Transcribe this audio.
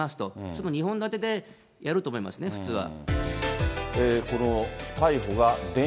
それの２本立てでやると思いますね、普通は。